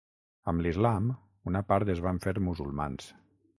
Amb l'islam una part es van fer musulmans.